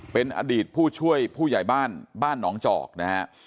เป็นอดีตผู้ช่วยผู้ใหญ่บ้านบ้านหนองจอกนะฮะ